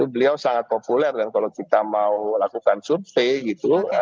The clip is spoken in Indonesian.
beliau sangat populer kan kalau kita mau lakukan survei gitu